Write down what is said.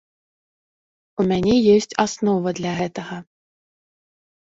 У мяне ёсць аснова для гэтага.